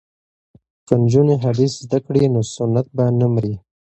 که نجونې حدیث زده کړي نو سنت به نه مري.